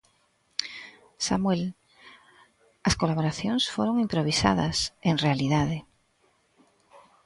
Samuel: "As colaboracións foron improvisadas, en realidade".